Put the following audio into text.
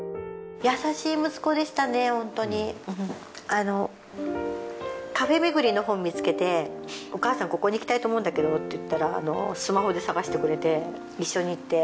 あのカフェ巡りの本見つけて「お母さんここに行きたいと思うんだけど」って言ったらスマホで探してくれて一緒に行って。